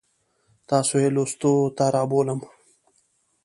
تاسو یې لوستو ته رابولم.